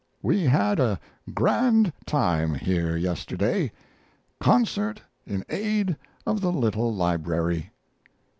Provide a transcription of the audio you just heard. We had a grand time here yesterday. Concert in aid of the little library.